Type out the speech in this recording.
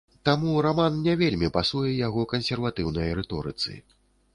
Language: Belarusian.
Таму раман не вельмі пасуе яго кансерватыўнай рыторыцы.